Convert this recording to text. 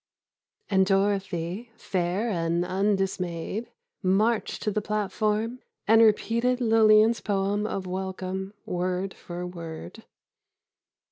And Dorothy, fair and undismayed, marched to the platform, and repeated Lillian's poem of welcome, word for word.